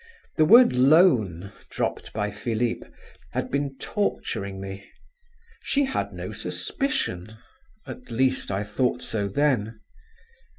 The word "loan," dropped by Philip, had been torturing me. She had no suspicion … at least I thought so then.